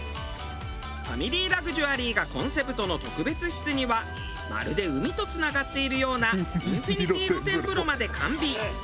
ファミリーラグジュアリーがコンセプトの特別室にはまるで海とつながっているようなインフィニティ露天風呂まで完備。